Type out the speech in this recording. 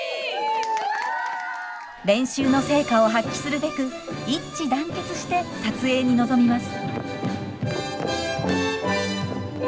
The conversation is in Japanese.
練習の成果を発揮するべく一致団結して撮影に臨みます。